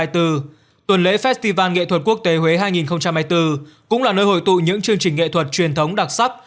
tuần lễ festival nghệ thuật quốc tế huế hai nghìn hai mươi bốn cũng là nơi hội tụ những chương trình nghệ thuật truyền thống đặc sắc